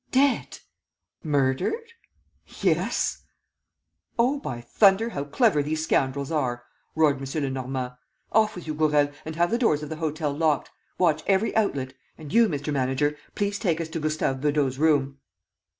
"Dead!" "Murdered?" "Yes." "Oh, by thunder, how clever these scoundrels are!" roared M. Lenormand, "Off with you, Gourel, and have the doors of the hotel locked. ... Watch every outlet. ... And you, Mr. Manager, please take us to Gustave Beudot's room."